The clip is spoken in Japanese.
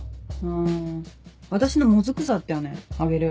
ん私のもずく酢あったよねあげる。